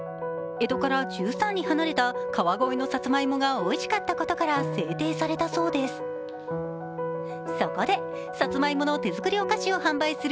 江戸から十三里離れた川越のさつまいもがおいしかったことから制定されたそうです。